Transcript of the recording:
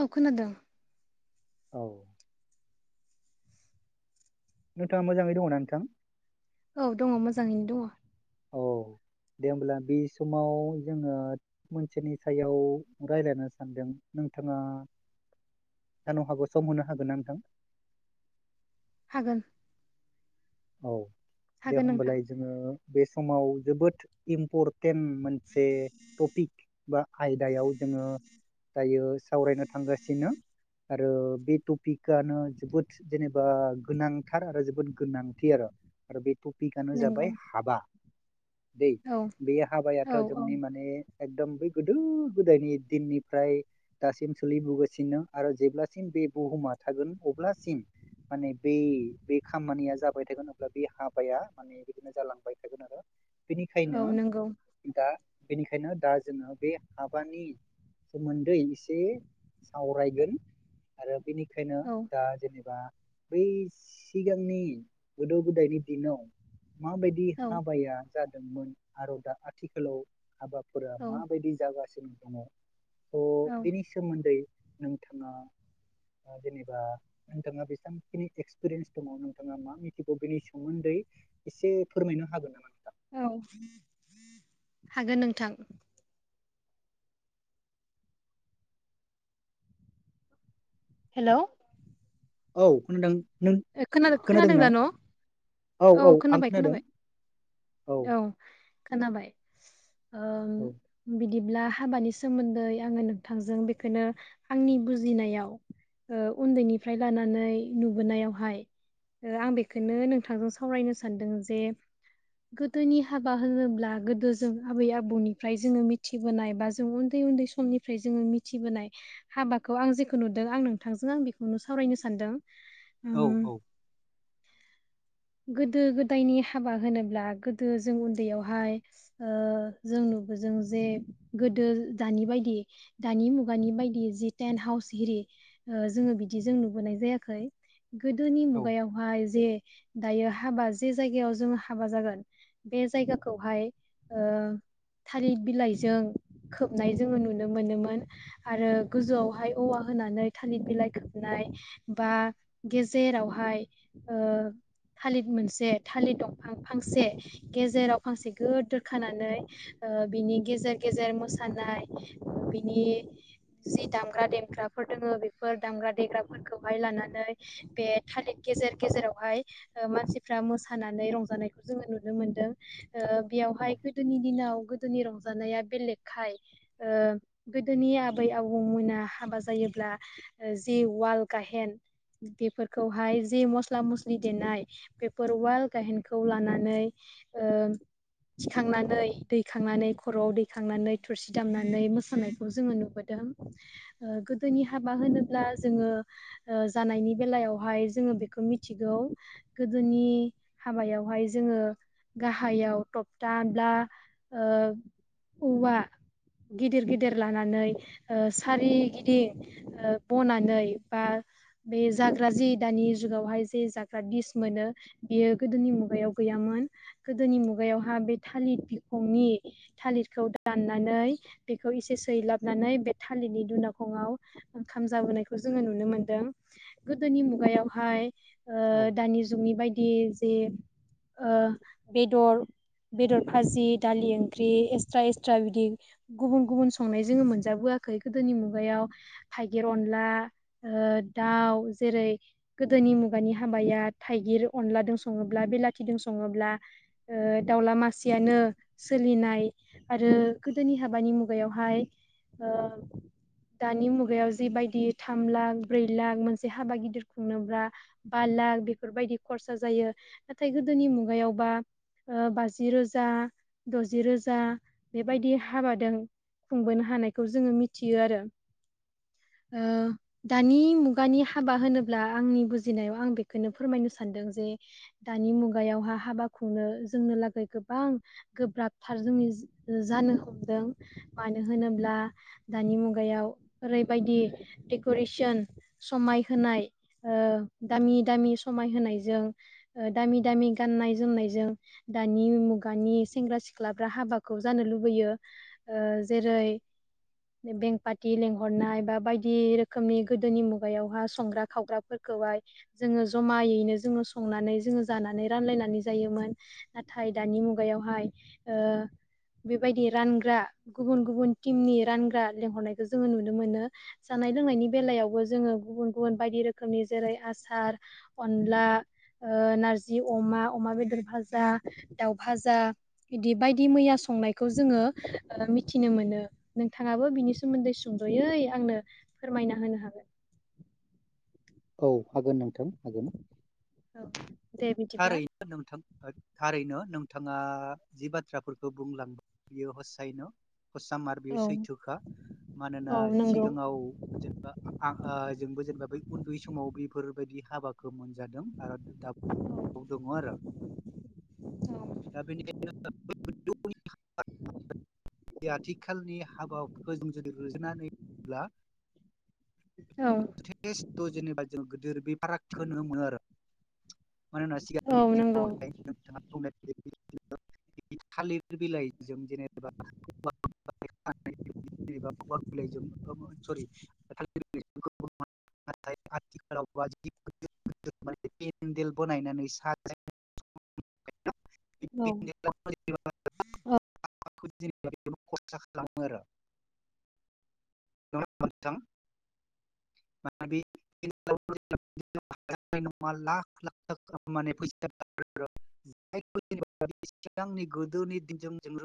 अ खोनादोंं औ नोंथाङा मोजाङै दङना नोंथां औ दङ मोजाङैनो दङ औ दे होमब्ला बे समाव जोङो मोनसेनि सायाव रायज्लायनो सानदों नोंथाङा जानो हागौ सम मोनो हागोन ना नोंथां हागोन औ दे हागोन नोंथां होमबालाय जोङो बे समाव जोबोद इम्परटेन्ट मोनसे टपिक बा आयदायाव जोङो दायो सावरायनो थांगासिनो आरो बे टपिकआनो जोबोद जेनेबा गोनांथार आरो जोबोद गोनां थि आरो आरो बे टपिकनो नंगौ जाबाय हाबा दै औ बे औ हाबायाथ औ जोंनि माने एकदम बै गोदो गोदायनि दिननिफ्राय दासिम सोलिबोगासिनो आरो जेब्लासिम बे बुहुमा थागोन अब्लासिम माने‌‌ बै बै खामानिया जाब बाय थागोन अब्ला बे हाबाया माने बिदिनो जालांबाय थागोन आरो औ बेनिखायनो नंगौ दा बेनिखायनो दा जोङो बे हाबानि सोमोन्दै इसे सावरायगोन आरो बेनिखायनो औ दा जेनेबा बै सिगांनि गोदो गोदायनि दिनाव माबायदि औ हाबाया जादोंमोन आरो दा आथिखालाव हाबा फोरा औ माबायदि जागासिनो दङ स औ बेनि सोमोन्दै नोंथाङा ओ जेनेबा नोंथाङा बेसांखिनि एक्सपिरिेन्स दङ नोंथाङा मा मिथि गो बेनि सोमोन्दै एसे फोरमायनो हागोन नामा औ हागोन नोंथां हेलौ औ खोनादों नों खोनादों खोनादों दा न औ खोनाबाय खोनाबाय औ खोनाबाय ओम औ बिदिब्ला हाबानि सोमोन्दै आङो नोंथांजों बेखौनो आंनि बुजिनायाव ओ उन्दैनिफ्राय लानानै नुबोनायावहाय आं बेखौनो नोंथांजों स सावरायनो सानदों जे गोदोनि हाबा होनोब्ला गोदो जों आबै आबौनिफ्राय जोङो मिथिबोनाय बा जों उन्दै उन्दै समनिफ्राय जोङो मिथिबोनाय हाबाखौ आं जेखौ नुदों आं नोंथांजों आं बेखौनो सावरायनो सानदों औ उम औ गोदो गोदायनि हाबा होनोब्ला गोदो जों उन्दैयावहाय ओ जों नु जों जे गोदो दानि बायदि दानि मुगानि बायदि जि टेन हाउस एरि जोङो बिदिजों नुबोनाय जायाखै गोदोनि औ मुगायावहाय जे दायो हाबा जे जायगायाव जोङो हाबा जागोन बे जायगाखौहाय थारि बिलाइजों खोबनाय जोङो नुनो मोनोमोन आरो गोजौआवहाय औवा होनानै थालिर बिलाइ खोबनाय बा गेजेरावहाय थालिर मोनसे थालिर दंफां फांसे गेजेराव फांसे गोद दोरखानानै बिनि गेजेर गेजेर मोसानाय बिनि जि दामग्रा देग्राफोर दङो बेफोर दाम्रा देग्राफोरखौहाय लानानै बे थालिर गेजेर गेजेरावहाय मानसिफ्रा मोसानानै रंजानायखौ जोङो नुनो मोनदों ओ उम बेयावहाय गोदोनि दिनाव गोदोनि रं जानाया बेलेखाय ओ गोदोनि आबै आबौ मोना हाबा जायोब्ला जि वाल गाहेन बेफोरखौहाय जे मस्ला मस्लि देनाय बेफोर वाल गाहेनखौ लानानै ओ थिखांनानै दैखांनानै खर'आव दैखांनानै थोरसि दामनानै मोसानायखौ जोङो नुबोदों। ओ गोदोनि हाबा होनोब जोङो जानायनि बेलायावहाय जोङो बेखौ मिथिगौ गोदोनि हाबायावहाय जोङो गाहायाव थपथाब्ला ओ- औवा गिदिर गिदिर लानानै ओ सारिगिदिं ओ बनानै बा बे जाग्रा जि दानि जुगावहाय जे जाग्रा दिस मोनो बियो गोदोनि मुगायाव गैयामोन गोदोनि मुगायावहा बे थालिर बिखंनि थालिरखौ दाननानै बेखौ एसे सैलाबनानै बे थालिरनि दनााखङाव ओंखाम जाबोनायखौ जोङो नुनो मोनदों गोदोनि मुगायावहाय ओ दानि जुगनि बायदि जे ओ बेदर बेदर भाजि दालि ओंख्रि एक्सट्रा एक्सट्र बिदि गुबुन गुबुन संनाय जोङो मोनजाबोआख खै गोदोनि मुगायाव थाइगिर अनला ओ दाउ जेरै गोदो जोंनि मुगानि हाबाया थाइगिर अनलाजों सङोब बे सङोब्ला ओ दाउला मासेयनो सोलिनाय आरो गोदोनि हाबानि मुगायावहाय ओ दानि मुगायाव जिबायदि थाम लाख ब्रै लाख मोनसे हाबा गिदिर खुंनोब्ला बा लाख बे बेफोरबायदि खरसा जायो नाथाय गोदोनि मुगायावबा ओ बाजि रोजा द'जि रोजा बेबायदि हाबादों खुंबोनो हानायखौ जोङो मिथियो आरो ओ दानि मुगानि हाबा होनोब्ला आंनि बुजिनायाव आं बेखौनो फोरमायनो सानदों जे दानि मुगायावहा हाबा खुंनो जोंनो लागै गोबां गोब गोब्राबथार जोंनि जानो हमदों मानो होनोब्ला दानि मुगायाव ओरैबायदि देकि'रेसन समाय होनाय ओ दामि दामि समाय होनायजों ओ दामि दामि गाननाय जोमनायजों दानि मुगानि सेंग्रा सिख सिख्लाफ्रा हाबाखौ जानो लुबैयो ओ जेरै बेंपाथि लेंहरनाय बा बायदि रोखोमनि गोदोनि मुगायावहा संग्रा खावग्रा खौहाय जोङो ज जमायैनो जोङो संनानै जोङो जानानै रानलायनानै जायोमोन नाथाय दानि मुगायावहाय ओ बेबायदि रानग्रा गुबुन गुबुन टिमनि रानग्रा लेंंहरनायखौ जोङो नुनो मोनो। जानाय लोंनायनि बेलायावबो जोङो गुबुन गुबुन बायदि रोखोमनि जेरै आसार अनला ओ नारजि अमा अमा बेदर भाजा दाउ भाजा बिदि बायदि मैया संनायखौ जोङो ओ मिथिनो मोनो नोंथाङाबो बिनि सोमोन्दै सुंद'यै आंनो फोरमायना होनो हागोन [inaudible] औ हागोन नोंथां हागोन। औ दे बिदिब्ला थारैनो नोंथां थारैनो नोंथाङा जि बाथ्राफोरखौ बुंलांबाय बियो हस्सायनो। खसामार बियो औ सैथोखा। मानोना औ नंगौ सिगाङाव जेनेबा आं ओ जोंबो जेनेबा बै उन्दै समाव बेफोरबायदि हाबाखो मोनजादों आरो दाबोव दङ आरो दा‌बेनिखायनो [unintelligible] बे आथिखालनि हाबाफोरखौ जों जुदि रुजुना नायोब्ला औ जथेस्थ जेनेबा जों गोदोर बे फारागखोनो मोनो आरो। मानोना औ सिगांनि नंगौ दिनावहाय नोंथाङा [unintelligible] थालिर बिलाइजों जेनेबा [unintelligible] [unintelligible] नाथाय आथिखालाव बा पेन्देल बानायनानै साजायनानै [unintelligible] [unintelligible] औ खरसा खालामो आरो नङा ओमबा नोंथां माबे [unintelligible] [unintelligible] लाख लाख माने फैसा [unintelligible] [unintelligible] सिगांनि गोदोनि दिनजों